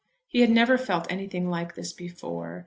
He had never felt anything like this before.